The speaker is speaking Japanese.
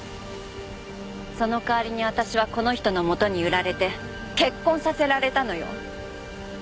その代わりに私はこの人のもとに売られて結婚させられたのよ。